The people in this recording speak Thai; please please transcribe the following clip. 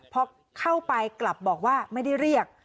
พอเข้าไปกลับบอกว่าไม่ได้เรียก